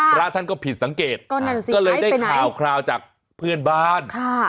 พระท่านก็ผิดสังเกตก็นั่นสิไปไหนก็เลยได้ข่าวข่าวจากเพื่อนบ้านค่ะ